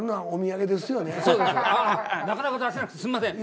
なかなか出せなくてすいません。